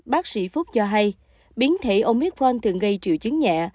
bác sĩ phúc cho hay biến thể omicront thường gây triệu chứng nhẹ